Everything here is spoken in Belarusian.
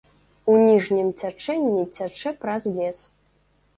У ніжнім цячэнні цячэ праз лес.